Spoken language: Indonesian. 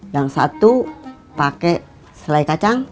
yang satu pakai selai kacang